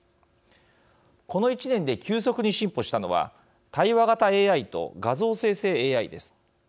この１年で急速に進歩したのは対話型ＡＩと画像生成ＡＩです。